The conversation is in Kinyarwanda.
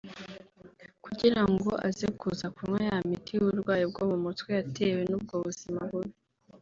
kugira ngo aze kuza kunywa ya miti y’uburwayi bwo mu mutwe yatewe n’ ubwo buzima bubi